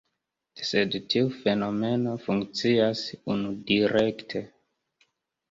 Sed tiu fenomeno funkcias unudirekte.